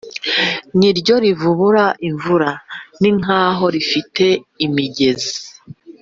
ni ryo rivubura imvura; ni nk’aho rifite imigezi